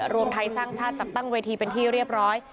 รวมไทยสร้างชาติจัดตั้งเวทีเป็นที่เรียบร้อย